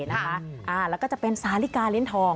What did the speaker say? แล้วก็จะเป็นสาลิกาลิ้นทอง